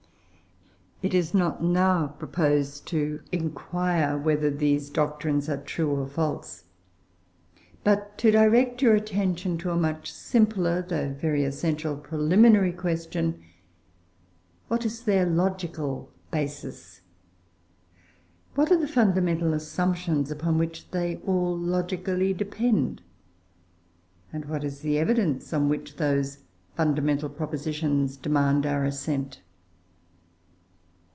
It is not now proposed to inquire whether these doctrines are true or false; but to direct your attention to a much simpler though very essential preliminary question What is their logical basis? what are the fundamental assumptions upon which they all logically depend? and what is the evidence on which those fundamental propositions demand our assent?